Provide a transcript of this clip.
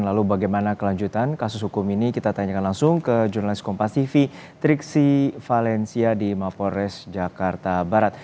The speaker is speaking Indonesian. lalu bagaimana kelanjutan kasus hukum ini kita tanyakan langsung ke jurnalis kompasifi triksi valencia di mapores jakarta barat